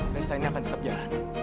pesta ini akan tetap jalan